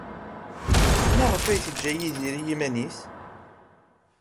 Maɣef ay teǧǧa Yidir i yiman-nnes?